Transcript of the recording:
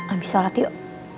abis sholat yuk